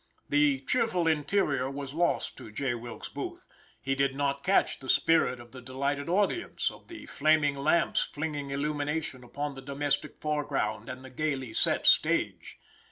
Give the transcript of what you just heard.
The cheerful interior was lost to J. Wilkes Booth. He did not catch the spirit of the delighted audience, of the flaming lamps flinging illumination upon the domestic foreground and the gaily set stage.